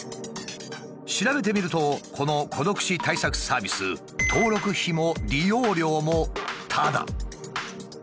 調べてみるとこの孤独死対策サービス登録費も利用料もタダ。